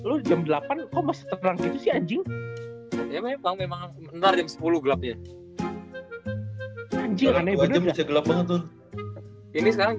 lo jam delapan kok masih terang gitu sih anjing